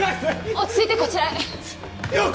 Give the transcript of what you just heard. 落ち着いてこちらへ洋子！